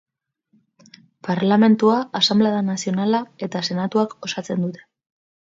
Parlamentua Asanblada Nazionala eta Senatuak osatzen dute.